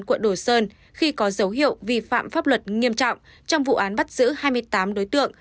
quận đồ sơn khi có dấu hiệu vi phạm pháp luật nghiêm trọng trong vụ án bắt giữ hai mươi tám đối tượng